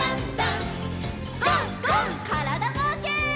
からだぼうけん。